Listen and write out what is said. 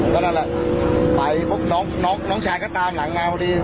อ๋อก็นั่นแหละไปพวกน้องน้องน้องชายก็ตามหลังมาพอดี